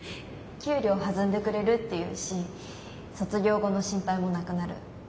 給料弾んでくれるっていうし卒業後の心配もなくなる。